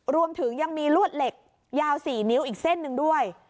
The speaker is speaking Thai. รวมถึงยังมีลวดเหล็กยาว๔นิ้วอีกเส้นหนึ่งด้วย